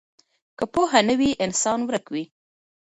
که پوهه نه وي انسان ورک وي.